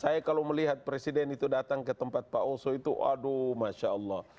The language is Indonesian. saya kalau melihat presiden itu datang ke tempat pak oso itu aduh masya allah